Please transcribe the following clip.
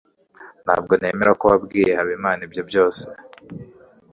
ntabwo nemera ko wabwiye habimana ibyo byose